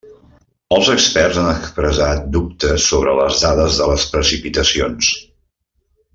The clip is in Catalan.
Els experts han expressat dubtes sobre les dades de les precipitacions.